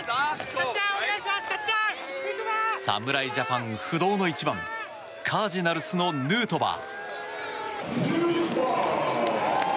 侍ジャパン不動の１番カージナルスのヌートバー。